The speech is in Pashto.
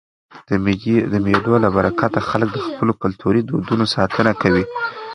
د مېلو له برکته خلک د خپلو کلتوري دودونو ساتنه کوي.